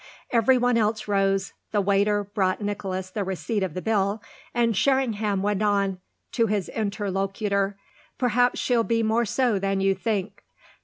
Every one else rose, the waiter brought Nicholas the receipt of the bill, and Sherringham went on, to his interlocutor: "Perhaps she'll be more so than you think."